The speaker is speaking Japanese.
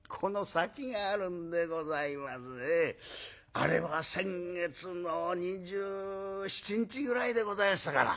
あれは先月の２７日ぐらいでございましたかな